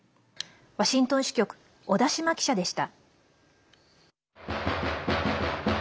ワシントン支局小田島記者でした。